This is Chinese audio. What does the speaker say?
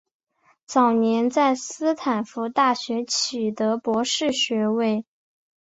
早年在斯坦福大学取得博士学位。